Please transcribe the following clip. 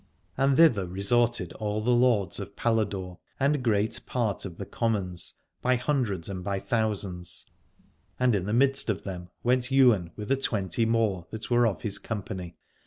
And thither resorted all the lords of Paladore and great part of the commons, by hundreds and by thousands : and in the midst of them went Ywain with a twenty more that were of his company.